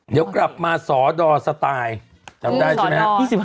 เดี๋ยวกลับมาสดอสไตล์จำได้ใช่ไหมครับ